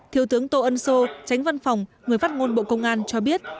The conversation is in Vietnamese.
thiếu tướng tô ân sô tránh văn phòng người phát ngôn bộ công an cho biết